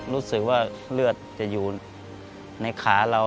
รู้สึกว่าเลือดจะอยู่ในขาเรา